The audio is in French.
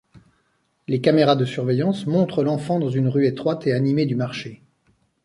Les caméras de surveillance montrent l'enfant dans une rue étroite et animée du marché.